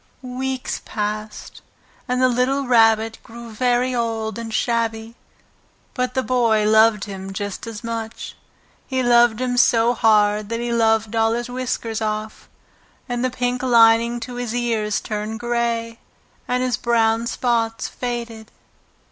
Weeks passed, and the little Rabbit grew very old and shabby, but the Boy loved him just as much. He loved him so hard that he loved all his whiskers off, and the pink lining to his ears turned grey, and his brown spots faded.